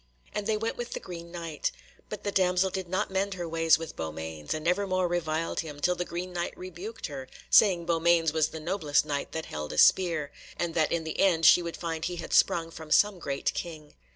And they went with the Green Knight. But the damsel did not mend her ways with Beaumains, and ever more reviled him, till the Green Knight rebuked her, saying Beaumains was the noblest Knight that held a spear, and that in the end she would find he had sprung from some great King.